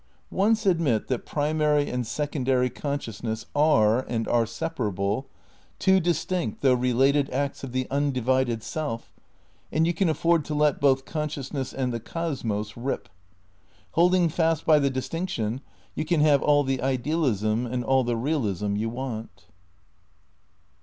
Once admit that primary and secondary conscious ness are, and are separable, two distinct though related acts of the undivided self, and you can afford to let both consciousness and the cosmos rip. Holding fast by the distinction, you can have all the idealism and all the realism you want.